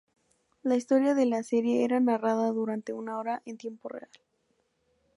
La historia de la serie era narrada durante una hora en tiempo real.